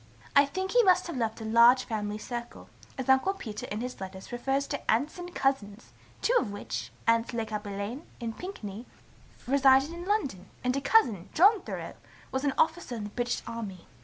I think he must have left a large family circle, as Uncle Peter in his letters refers to aunts and cousins, two of which, aunts Le Cappelain and Pinkney, resided in London, and a cousin, John Thoreau, was an officer in the British army.